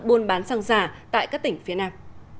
buôn bán sang giả tại các tỉnh phía nam